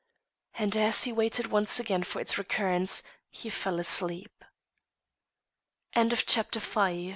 And as he waited once again for its recurrence he fell asleep. CHAPTER VI MUNGO B